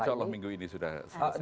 insya allah minggu ini sudah selesai